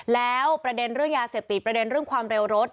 แล้วประเด็นเรื่องยาเสพติดประเด็นเรื่องความเร็วรถ